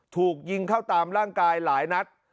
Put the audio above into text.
ถูกยิงเข้าตามร่างกายหลายนัด